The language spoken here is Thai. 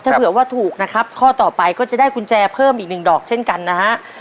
ถ้าเผื่อว่าถูกนะครับข้อต่อไปก็จะได้กุญแจเพิ่มอีกหนึ่งดอกเช่นกันนะฮะ